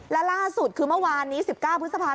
และล่าสุดคือเมื่อวานนี้๑๙พฤษภาค